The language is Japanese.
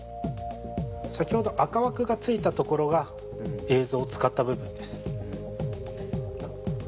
先ほど赤枠がついたところが映像を使った部分です。